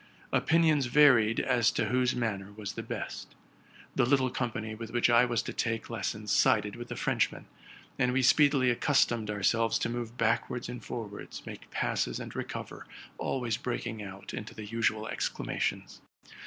Opinions varied as to whose manner was the best. The little company with which I was to take lessons sided with the Frenchman; and we speedily accus tomed ourselves to move backwards and forwards, make passes and recover, always breaking out into the usual excla mations.